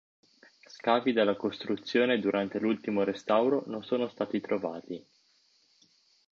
Scavi della costruzione durante l'ultimo restauro non sono stati trovati.